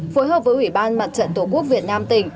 phối hợp với ủy ban mặt trận tổ quốc việt nam tỉnh